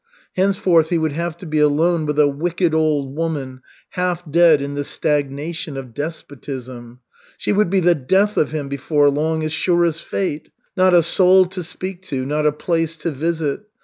Henceforth he would have to be alone with a wicked old woman, half dead in the stagnation of despotism. She would be the death of him before long, as sure as fate. Not a soul to speak to, not a place to visit.